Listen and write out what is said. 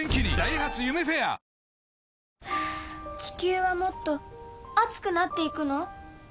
地球はもっと熱くなっていくの？